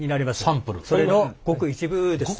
それのごく一部です。